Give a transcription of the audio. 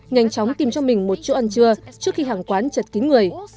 nhanh chóng tìm cho mình một chỗ ăn trưa trước khi hàng quán chật kín người